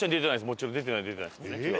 もちろん出てない出てないです。